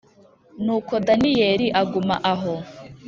Nuko Daniyeli aguma aho